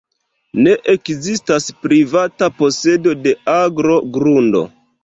Ne ekzistas privata posedo de agro, grundo.